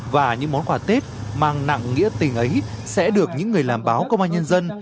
và những món quà tết mang nặng nghĩa tình ấy sẽ được những người làm báo công an nhân dân